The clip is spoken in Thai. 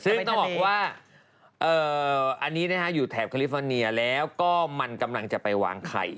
ซึ่งต้องบอกว่าอันนี้อยู่แถบคาลิฟอร์เนียแล้วก็มันกำลังจะไปวางไข่